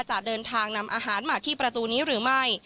จะเดินทางนำอาหารมาที่ประตูนี้หรือไม่